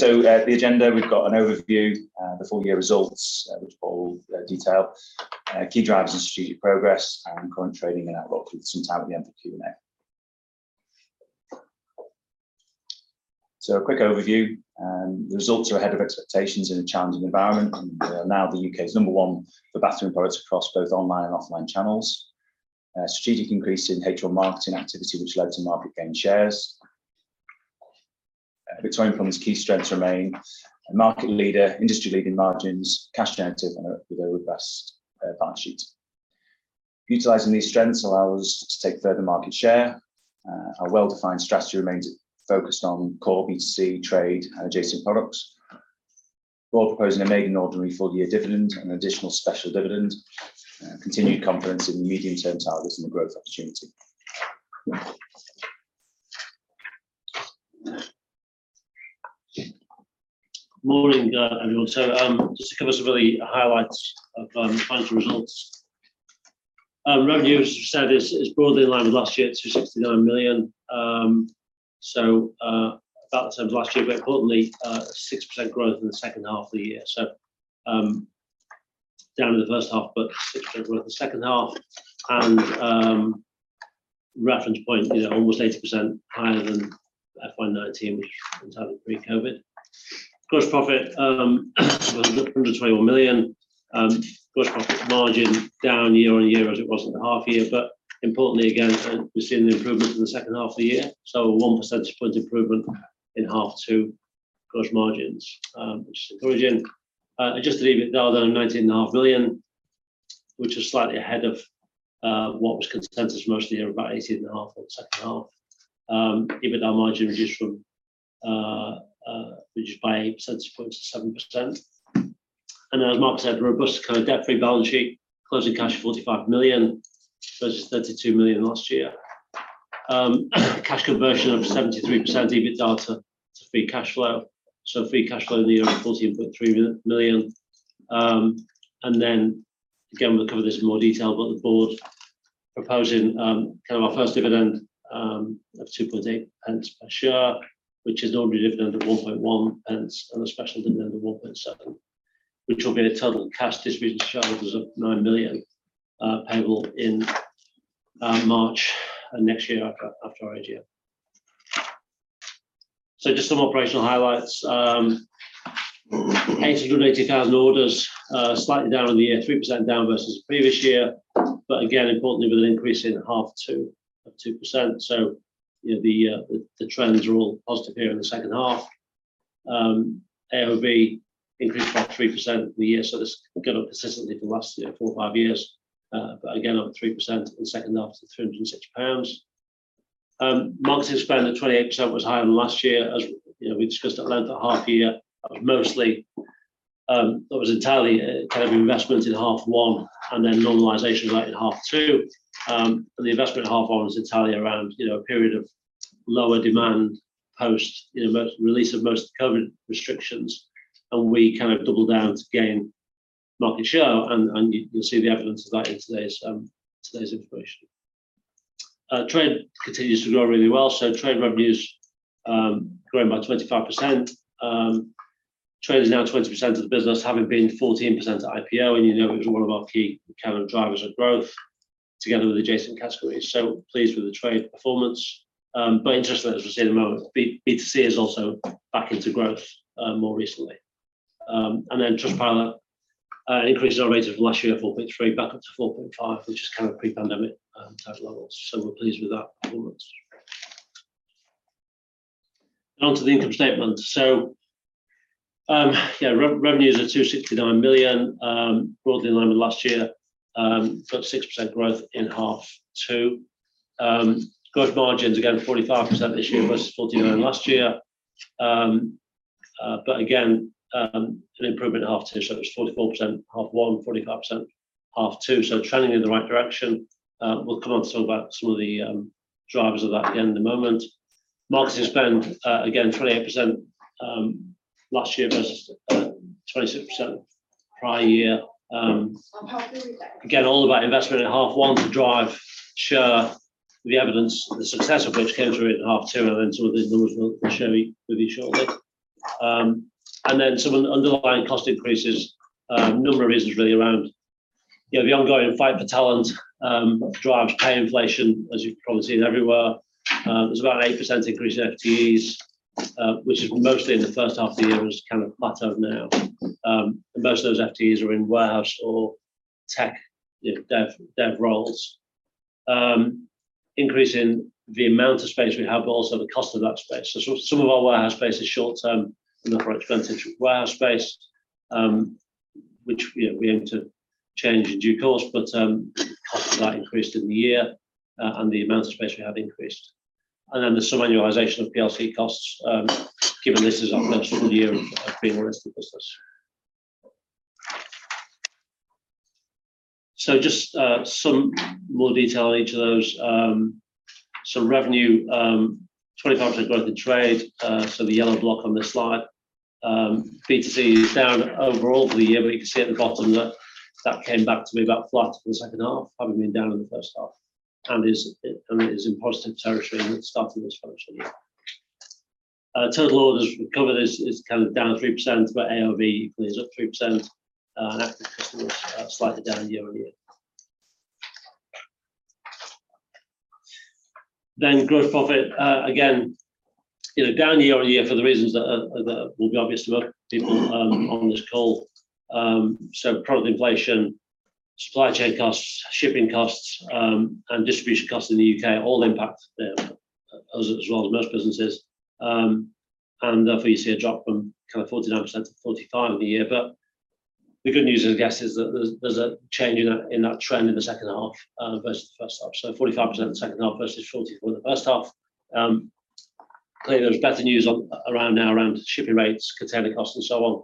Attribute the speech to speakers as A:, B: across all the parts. A: Okay, the agenda, we've got an overview, the full year results, which Paul will detail. Key drivers and strategic progress, and current trading and outlook, with some time at the end for Q&A. A quick overview. The results are ahead of expectations in a challenging environment, and we are now the U.K.'s number one for bathroom products across both online and offline channels. A strategic increase in paid for marketing activity which led to market gain shares. Victorian Plumbing key strengths remain a market leader, industry-leading margins, cash generative with a robust balance sheet. Utilizing these strengths allow us to take further market share. Our well-defined strategy remains focused on core B2C, trade, and adjacent products. The board proposing a making ordinary full-year dividend, an additional special dividend, continued confidence in the medium-term targets and the growth opportunity.
B: Morning, everyone. Just to cover some of the highlights of the financial results. Revenue, as you said, is broadly in line with last year at 269 million. About the same as last year, but importantly, 6% growth in the second half of the year. Down in the first half, but 6% growth in the second half. Reference point is almost 80% higher than FY 2019, which was entirely pre-COVID. Gross profit was 121 million. Gross profit margin down year on year as it was in the half year. Importantly, again, we've seen the improvement in the second half of the year, 1 percentage point improvement in half two gross margins, which is encouraging. Adjusted EBITDA of 19.5 million, which is slightly ahead of what was consensus for most of the year, about 18.5 million for the second half. EBITDA margin reduced by 8 percentage points to 7%. As Mark said, robust kind of debt-free balance sheet. Closing cash, 45 million versus 32 million last year. Cash conversion of 73% EBITDA to free cash flow. Free cash flow in the year of 14.3 million. Again, we'll cover this in more detail, but the board proposing kind of our first dividend of 2.8 pence per share, which is an ordinary dividend of 1.1 pence and a special dividend of 1.7 pence. Which will be a total cash distribution to shareholders of 9 million, payable in March next year after our AGM. Just some operational highlights. 880,000 orders, slightly down on the year, 3% down versus the previous year. Again, importantly, with an increase in H2 of 2%, so, you know, the trends are all positive here in the second half. AOV increased by 3% on the year, so this has gone up consistently for the last, you know, four or five years. Again, up 3% in the second half to 360 pounds. Marketing spend at 28% was higher than last year. As, you know, we discussed at length at half year. Mostly, that was entirely kind of investment in H1 and then normalization right in H2. The investment in H1 was entirely around, you know, a period of lower demand post, you know, release of most COVID restrictions. We kind of doubled down to gain market share and, you'll see the evidence of that in today's today's information. Trade continues to grow really well. Trade revenue's grown by 25%. Trade is now 20% of the business, having been 14% at IPO, and you know it was one of our key kind of drivers of growth together with adjacent categories. We're pleased with the trade performance. Interestingly, as we'll see in a moment, B2C is also back into growth more recently. Just to follow that, an increase in our rates of last year of 4.3% back up to 4.5%, which is kind of pre-pandemic type levels. We're pleased with that performance. On to the income statement. Revenues are 269 million, broadly in line with last year. 6% growth in H2. Gross margins, again, 45% this year versus 49% last year. An improvement in H2, so it was 44% H1, 45% H2. Trending in the right direction. We'll come on to talk about some of the drivers of that at the end in a moment. Marketing spend, again, 28% last year versus 26% prior year. Again, all about investment in half one to drive share. The evidence, the success of which came through in half two, and then some of these numbers we'll share with you shortly. Some of the underlying cost increases, a number of reasons really around, you know, the ongoing fight for talent, which drives pay inflation, as you've probably seen everywhere. There was about an 8% increase in FTEs, which was mostly in the first half of the year and has kind of mattered now. Most of those FTEs are in warehouse or tech, you know, dev roles. Increase in the amount of space we have, but also the cost of that space. Some of our warehouse space is short term and therefore expensive warehouse space, which, you know, we aim to change in due course. Cost of that increased in the year, and the amount of space we have increased. Then there's some annualization of PLC costs, given this is our first full year of being a listed business. Just some more detail on each of those. Revenue, 25% growth in trade, so the yellow block on this slide. B2C is down overall for the year, but you can see at the bottom that came back to be about flat for the second half, having been down in the first half. Is in positive territory and it's starting to function. Total orders recovered is kind of down 3%, but AOV is up 3%. Active customers slightly down year on year. Gross profit, again, you know, down year on year for the reasons that will be obvious to a lot of people on this call. Product inflation, supply chain costs, shipping costs, and distribution costs in the U.K. all impact there as well as most businesses. Obviously you see a drop from kind of 49% to 45% in the year. The good news, I guess, is that there's a change in that trend in the second half versus the first half. 45% in the second half versus 44% in the first half. Clearly there was better news on, around now around shipping rates, container costs and so on,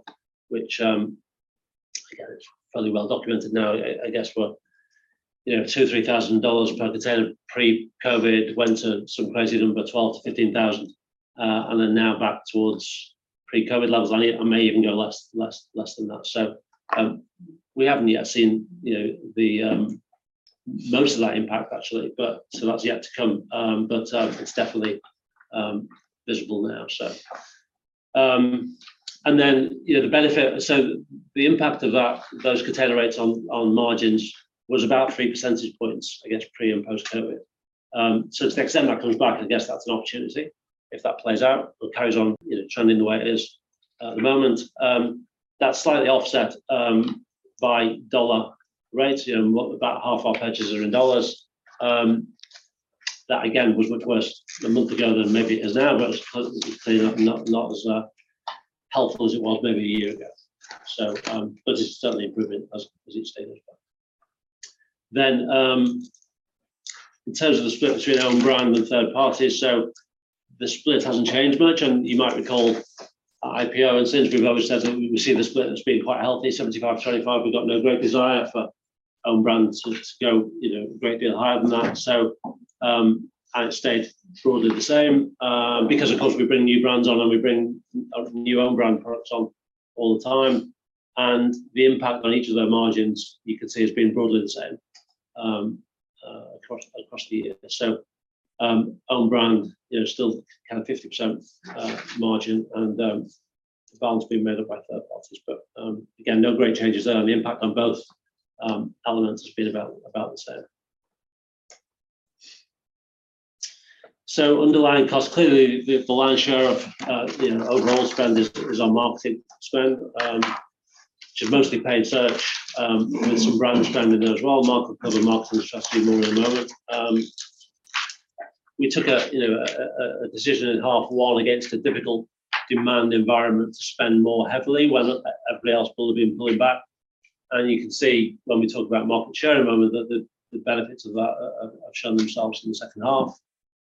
B: which, again, it's fairly well documented now, I guess what. You know, $2,000 to $3,000 per container pre-COVID went to some crazy number, $12,000 to $15,000, and then now back towards pre-COVID levels, and it may even go less than that. We haven't yet seen, you know, the most of that impact actually, but so that's yet to come, but it's definitely visible now. You know, the impact of that, those container rates on margins was about 3 percentage points against pre and post-COVID. To the extent that comes back, I guess that's an opportunity if that plays out or carries on, you know, trending the way it is at the moment. That's slightly offset by dollar rates. You know, about half our purchases are in dollars. That again was much worse a month ago than maybe it is now, but it's clearly not as helpful as it was maybe a year ago. It's certainly improving as each day goes by. In terms of the split between own brand and third parties, the split hasn't changed much. You might recall at IPO and since we've always said that we see the split as being quite healthy, 75, 25. We've got no great desire for own brand to go, you know, a great deal higher than that. It stayed broadly the same because of course, we bring new brands on and we bring new own brand products on all the time. The impact on each of those margins, you can see, has been broadly the same across the year. Own brand, you know, still kind of 50% margin and the balance being made up by third parties. Again, no great changes there and the impact on both elements has been about the same. Underlying costs, clearly the lion's share of, you know, overall spend is on marketing spend, which is mostly paid search, with some brand spend in there as well. Mark will cover marketing strategy more in a moment. We took a, you know, a, a decision in H1 against a difficult demand environment to spend more heavily, whereas everybody else will have been pulling back. You can see when we talk about market share in a moment that the benefits of that have shown themselves in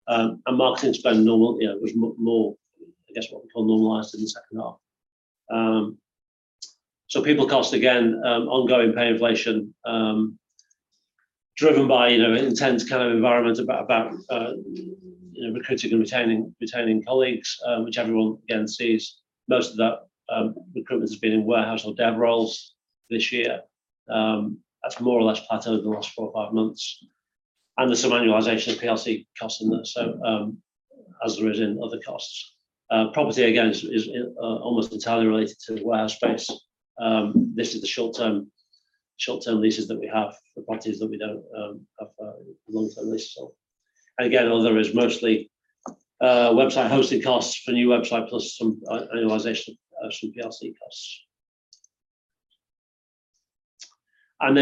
B: H2. Marketing spend normal, you know, was more, I guess, what we call normalized in H2. People cost again, ongoing pay inflation, driven by, you know, intense kind of environment about, you know, recruiting and retaining colleagues, which everyone again sees most of that, recruitment has been in warehouse or dev roles this year. That's more or less plateaued in the last four or five months. There's some annualization of PLC cost in that. As there is in other costs. Property again is almost entirely related to warehouse space. This is the short term leases that we have for properties that we don't have long term leases on. Again, other is mostly website hosting costs for new website plus some annualization of some PLC costs.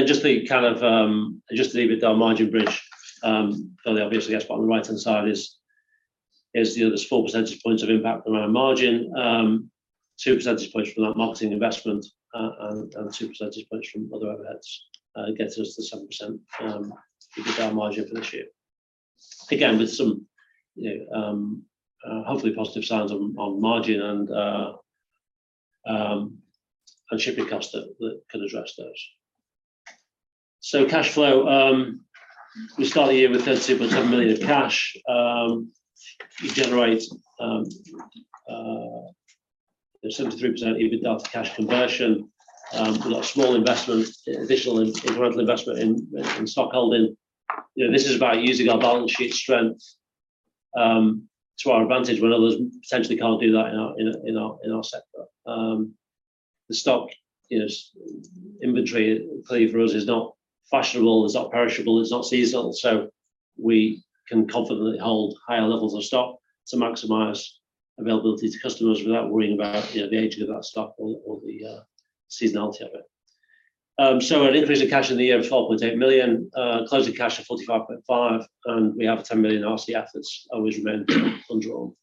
B: Just the kind of, just to leave it there, margin bridge, clearly obviously that's what on the right-hand side is, you know, there's 4 percentage points of impact on our margin. 2 percentage points from that marketing investment, and 2 percentage points from other overheads, gets us to 7% EBITDA margin for this year. Again, with some, you know, hopefully positive signs on margin and shipping costs that can address those. Cash flow, we start the year with 30.7 million of cash. We generate 73% EBITDA to cash conversion. We've got a small investment, additional incremental investment in stock holding. You know, this is about using our balance sheet strength to our advantage when others potentially can't do that in our, in our, in our, in our sector. The stock, you know, inventory clearly for us is not fashionable, it's not perishable, it's not seasonal. We can confidently hold higher levels of stock to maximize availability to customers without worrying about, you know, the aging of that stock or the seasonality of it. An increase in cash in the year of 12.8 million, closing cash at 45.5 million. We have a 10 million RCF always remained undrawn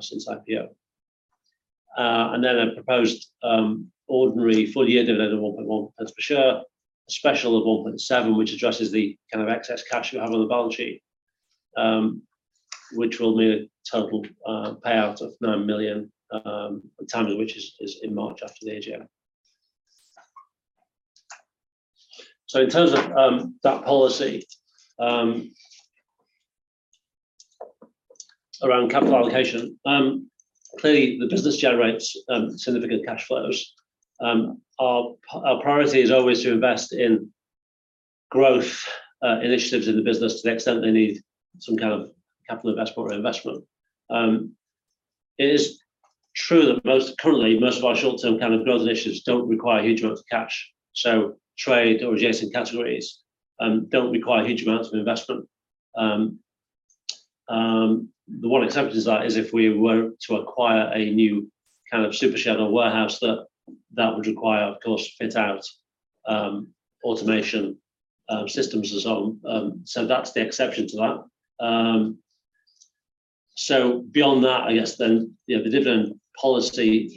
B: since IPO. A proposed ordinary full year dividend of 1.1 pence per share, a special of 1.7 pence, which addresses the kind of excess cash we have on the balance sheet, which will mean a total payout of 9 million, times of which is in March after the AGM. In terms of that policy,
A: Around capital allocation. Clearly the business generates significant cash flows. Our priority is always to invest in growth initiatives in the business to the extent they need some kind of capital investment or investment. It is true that most, currently, most of our short-term kind of growth initiatives don't require huge amounts of cash. Trade or adjacent categories don't require huge amounts of investment. The one exception to that is if we were to acquire a new kind of super shed or warehouse that would require, of course, fit out, automation, systems and so on. That's the exception to that. Beyond that, I guess then, you know, the dividend policy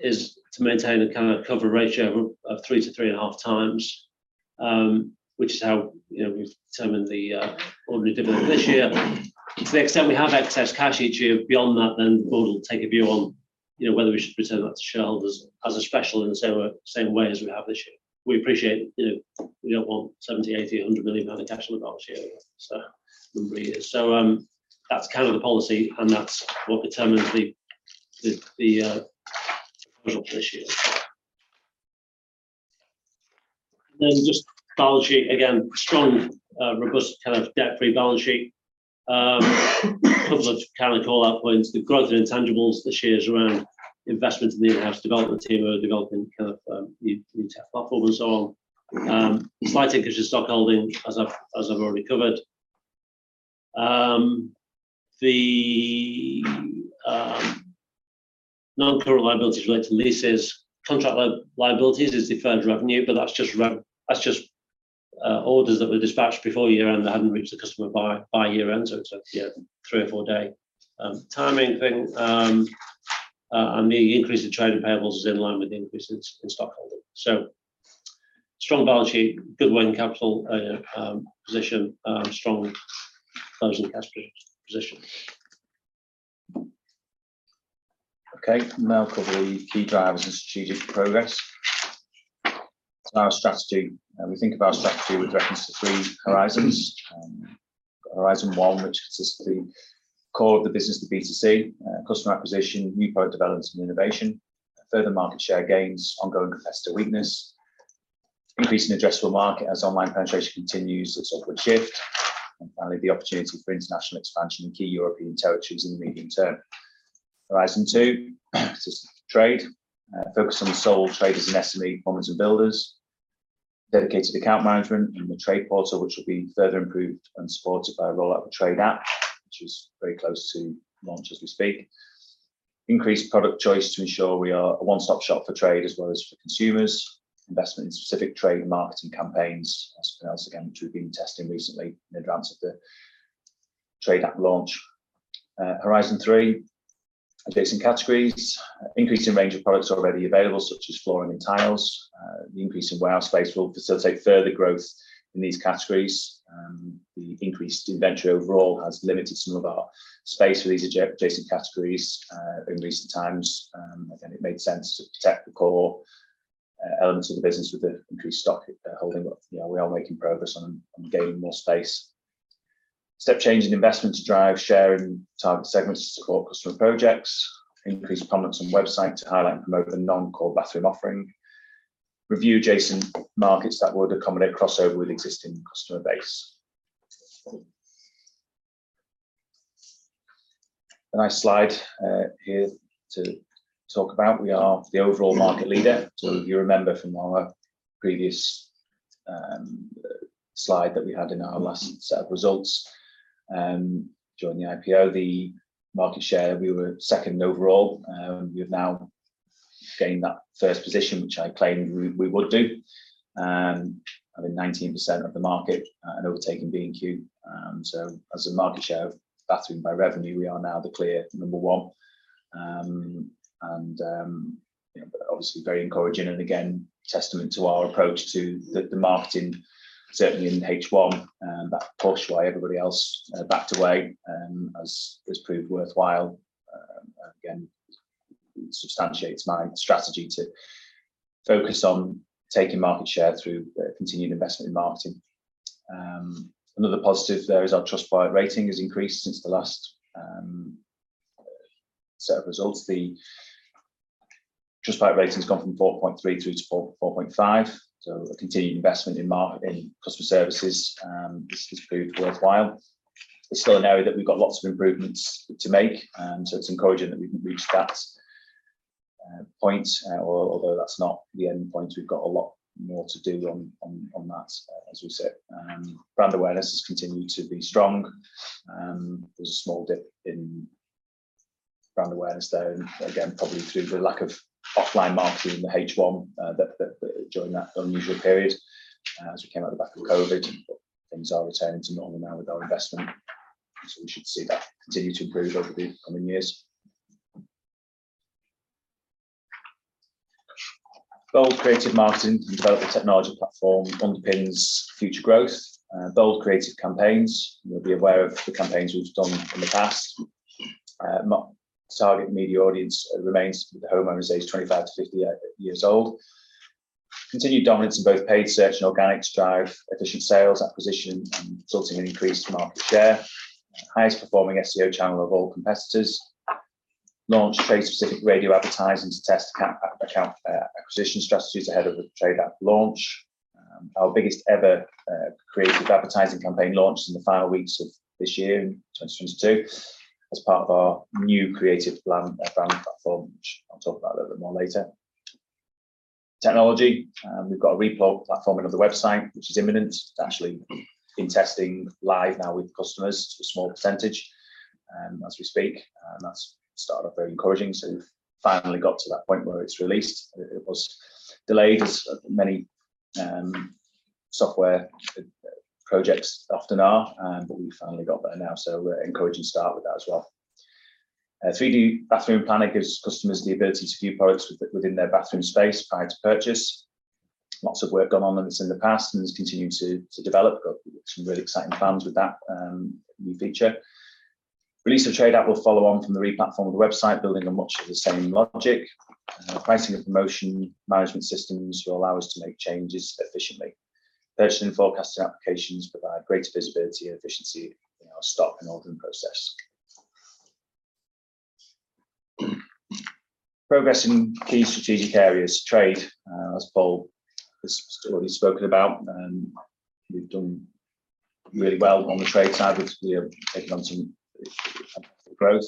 A: is to maintain a kind of cover ratio of 3x to 3.5x, which is how, you know, we've determined the ordinary dividend this year. To the extent we have excess cash each year beyond that, the board will take a view on, you know, whether we should return that to shareholders as a special in the same way as we have this year. We appreciate, you know, we don't want 70 million, 80 million, 100 million pound in cash on the balance sheet every number of years. That's kind of the policy and that's what determines the results this year. Just balance sheet again. Strong, robust kind of debt-free balance sheet. A couple of kind of call-out points. The growth in intangibles this year is around investment in the in-house development team who are developing kind of, new tech platform and so on. Slight increase in stockholding as I've already covered. The non-core liabilities relate to leases. Contract liabilities is deferred revenue, that's just orders that were dispatched before year-end that hadn't reached the customer by year-end, so it's a, you know, three or four day timing thing. The increase in trade and payables is in line with the increase in stockholding. Strong balance sheet, good working capital position, strong closing cash positions. Okay. Now cover the key drivers and strategic progress. Our strategy, we think of our strategy with reference to three horizons. Horizon one, which consists of the core of the business, the B2C, customer acquisition, new product developments and innovation, further market share gains, ongoing competitor weakness, increase in addressable market as online penetration continues its upward shift, and finally, the opportunity for international expansion in key European territories in the medium term. Horizon two consists of trade. Focus on sole traders and SME homeowners and builders, dedicated account management in the trade portal, which will be further improved and supported by the rollout of the Trade App, which is very close to launch as we speak. Increased product choice to ensure we are a one-stop shop for trade as well as for consumers. Investment in specific trade marketing campaigns, as per usual again, which we've been testing recently in advance of the Trade App launch. Horizon three, adjacent categories. Increase in range of products already available such as flooring and tiles. The increase in warehouse space will facilitate further growth in these categories. The increased inventory overall has limited some of our space for these adjacent categories in recent times. Again, it made sense to protect the core elements of the business with the increased stock holding. You know, we are making progress on gaining more space. Step change in investment to drive share in target segments to support customer projects. Increase prominence on website to highlight and promote the non-core bathroom offering. Review adjacent markets that would accommodate crossover with existing customer base. A nice slide here to talk about. We are the overall market leader. If you remember from our previous slide that we had in our last set of results, during the IPO, the market share, we were second overall. We have now gained that first position, which I claimed we would do. I think 19% of the market and overtaking B&Q. As a market share of bathroom by revenue, we are now the clear number one. You know, but obviously very encouraging and again, testament to our approach to the marketing, certainly in H1, that push while everybody else backed away, has proved worthwhile. Again, substantiates my strategy to focus on taking market share through continued investment in marketing. Another positive there is our Trustpilot rating has increased since the last set of results. The Trustpilot rating's gone from 4.3 through to 4.5. A continued investment in customer services has proved worthwhile. It's still an area that we've got lots of improvements to make. It's encouraging that we can reach that point, although that's not the end point. We've got a lot more to do on that, as we said. Brand awareness has continued to be strong. There was a small dip in brand awareness there, again, probably through the lack of offline marketing in the H1 that during that unusual period as we came out the back of COVID. Things are returning to normal now with our investment, so we should see that continue to improve over the coming years. Bold creative marketing and developer technology platform underpins future growth. Bold creative campaigns. You'll be aware of the campaigns we've done in the past. Our target media audience remains the homeowner's aged 25 to 50 years old. Continued dominance in both paid search and organic drive, efficient sales acquisition, and resulting in increased market share. Highest performing SEO channel of all competitors. Launched trade specific radio advertising to test account acquisition strategies ahead of the Trade App launch. Our biggest ever creative advertising campaign launched in the final weeks of this year in 2022 as part of our new creative plan, brand platform, which I'll talk about a little bit more later. Technology, we've got a replatforming of the website, which is imminent. It's actually in testing live now with customers to a small percentage as we speak. That's started off very encouraging. We've finally got to that point where it's released. It was delayed as many software projects often are. We've finally got there now, so we're encouraging start with that as well. 3D Bathroom Planner gives customers the ability to view products within their bathroom space prior to purchase. Lots of work gone on with this in the past, and it's continuing to develop. Got some really exciting plans with that new feature. Release of Trade App will follow on from the replatform of the website, building on much of the same logic. Pricing and promotion management systems will allow us to make changes efficiently. Purchasing and forecasting applications provide greater visibility and efficiency in our stock and ordering process. Progress in key strategic areas. Trade, as Paul has already spoken about, we've done really well on the trade side, which we have taken on some growth.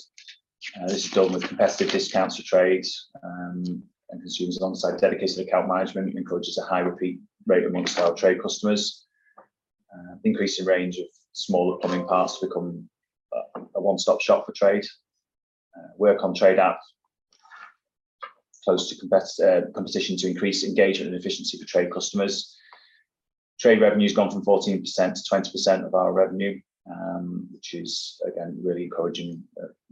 A: This is done with competitive discounts for trades, and consumers alongside dedicated account management encourages a high repeat rate amongst our trade customers. Increasing range of smaller plumbing parts to become a one-stop shop for trade. Work on trade app close to competition to increase engagement and efficiency for trade customers. Trade revenue's gone from 14% to 20% of our revenue, which is again, a really encouraging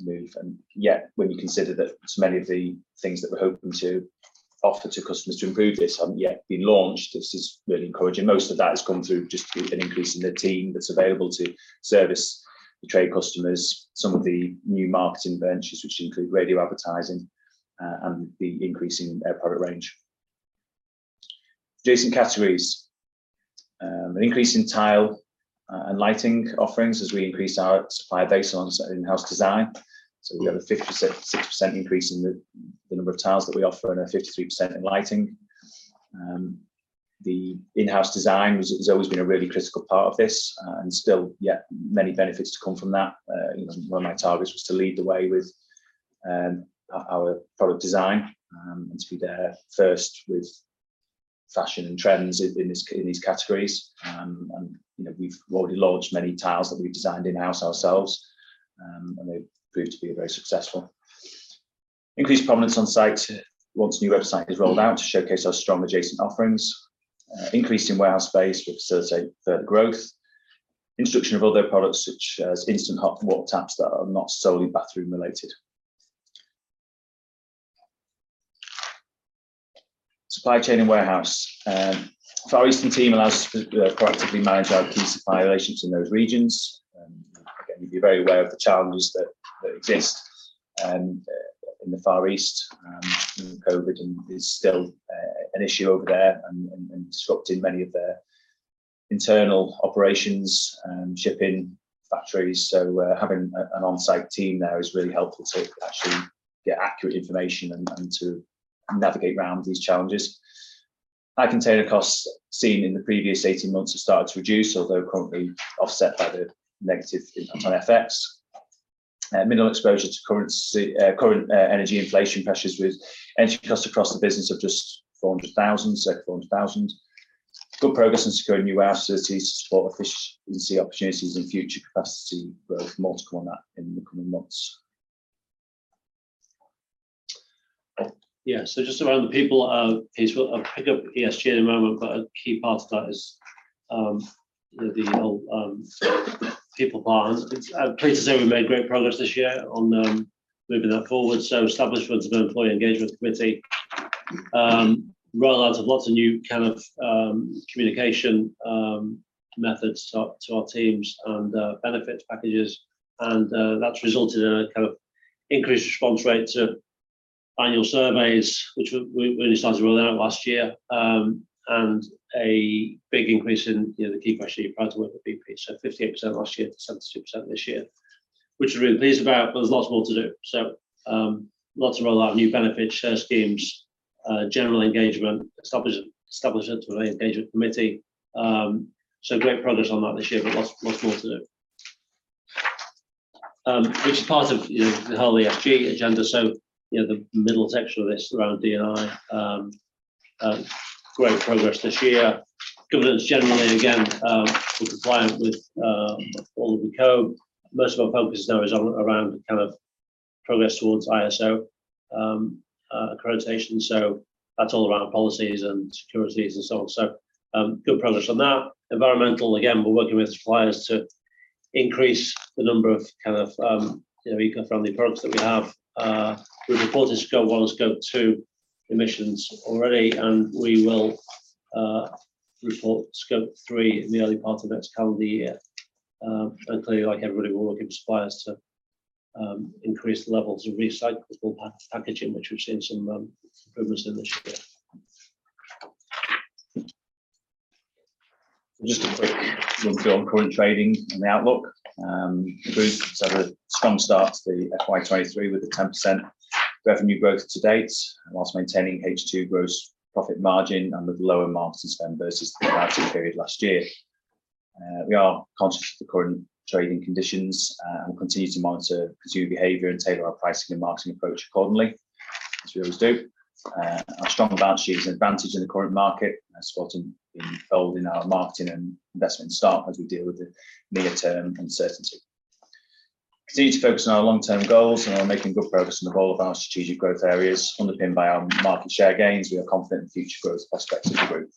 A: move. Yet, when you consider that so many of the things that we're hoping to offer to customers to improve this haven't yet been launched, this is really encouraging. Most of that has come through just through an increase in the team that's available to service the trade customers, some of the new marketing ventures, which include radio advertising, and the increase in their product range. Adjacent categories. An increase in tile and lighting offerings as we increase our supplier base on in-house design. We have a 56% increase in the number of tiles that we offer and a 53% in lighting. The in-house design has always been a really critical part of this, and still yet many benefits to come from that. You know, one of my targets was to lead the way with our product design, and to be there first with fashion and trends in these categories. You know, we've already launched many tiles that we've designed in-house ourselves, and they've proved to be very successful. Increased prominence on-site once the new website is rolled out to showcase our strong adjacent offerings. Increase in warehouse space will facilitate further growth. Introduction of other products such as instant hot water taps that are not solely bathroom related. Supply chain and warehouse. Far Eastern team allows us to proactively manage our key supplier relations in those regions. Again, you'll be very aware of the challenges that exist in the Far East. COVID is still an issue over there and disrupting many of their internal operations, shipping factories. Having an on-site team there is really helpful to actually get accurate information and to navigate around these challenges. High container costs seen in the previous 18 months have started to reduce, although currently offset by the negative impact on FX. Minimal exposure to currency, current energy inflation pressures with energy costs across the business of just 400,000, so 400,000. Good progress in securing new warehouse cities to support efficiency opportunities and future capacity growth, multiple on that in the coming months.
B: Just around the people, I'll pick up ESG in a moment, but a key part of that is, you know, the whole people part. I'm pleased to say we made great progress this year on moving that forward. Establishment of an employee engagement committee, roll out of lots of new kind of communication methods to our teams and benefits packages. That's resulted in a kind of increased response rate to annual surveys, which we decided to roll out last year. A big increase in, you know, the key question, "Are you proud to work for PP?" 58% last year to 72% this year, which we're really pleased about. There's lots more to do. Lots of roll out of new benefits, share schemes, general engagement, establishment of a engagement committee. Great progress on that this year, but lots more to do. Which is part of, you know, the whole ESG agenda. You know, the middle section of this around D&I, great progress this year. Governance generally, again, we're compliant with all of the code. Most of our focus now is on around kind of progress towards ISO accreditation. That's all around policies and securities and so on. Good progress on that. Environmental, again, we're working with suppliers to increase the number of kind of, you know, eco-friendly products that we have. We've reported Scope One and Scope Two emissions already, and we will report Scope Three in the early part of next calendar year. Hopefully, like everybody, we're working with suppliers to increase the levels of recyclable packaging, which we've seen some improvements in this year.
A: Just a quick run-through on current trading and outlook. Group, the strong start to the FY 2023 with a 10% revenue growth to date whilst maintaining H2 gross profit margin and with lower marketing spend versus the comparative period last year. We are conscious of the current trading conditions, and we'll continue to monitor consumer behavior and tailor our pricing and marketing approach accordingly as we always do. Our strong balance sheet is an advantage in the current market. That's what's been involved in our marketing and investment start as we deal with the near-term uncertainty. Continue to focus on our long-term goals, and we're making good progress in the role of our strategic growth areas underpinned by our market share gains. We are confident in future growth prospects of the group.